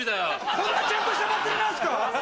こんなちゃんとした祭りなんですか？